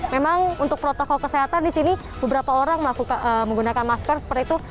memang untuk protokol kesehatan di sini beberapa orang menggunakan masker seperti itu